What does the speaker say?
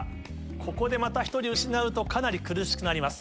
ここでまた１人失うとかなり苦しくなります。